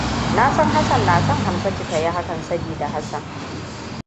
Na san Hassan na son Hamsatu ta yi hakan sabida Hassan.